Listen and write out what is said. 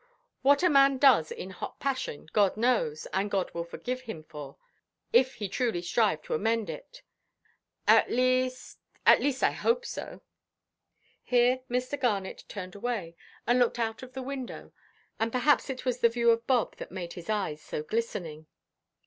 What a man does in hot passion, God knows, and God will forgive him for, if he truly strive to amend it—at least—at least, I hope so." Here Mr. Garnet turned away, and looked out of the window, and perhaps it was the view of Bob that made his eyes so glistening.